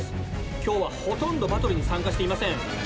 今日はほとんどバトルに参加していません。